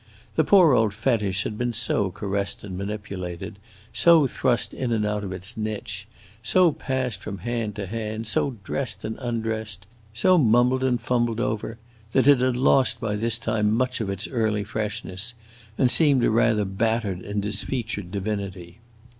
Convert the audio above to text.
The poor old fetish had been so caressed and manipulated, so thrust in and out of its niche, so passed from hand to hand, so dressed and undressed, so mumbled and fumbled over, that it had lost by this time much of its early freshness, and seemed a rather battered and disfeatured divinity.